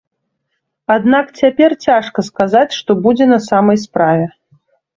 Аднак цяпер цяжка сказаць, што будзе на самай справе.